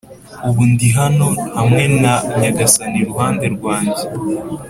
ubu ndi hano hamwe na nyagasani iruhande rwanjye